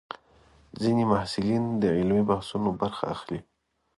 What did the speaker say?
ځینې محصلین د علمي بحثونو برخه اخلي.